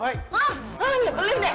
hah ngepelin deh